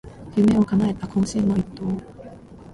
夢をかなえた懇親の一投